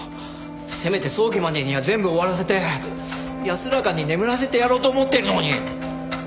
せめて葬儀までには全部終わらせて安らかに眠らせてやろうと思ってるのに！